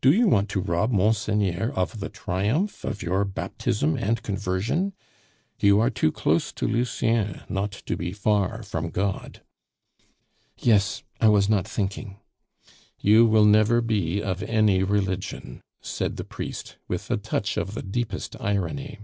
"Do you want to rob Monseigneur of the triumph of your baptism and conversion? You are too close to Lucien not to be far from God." "Yes, I was not thinking " "You will never be of any religion," said the priest, with a touch of the deepest irony.